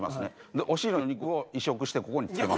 でお尻の肉を移植してここにつけます。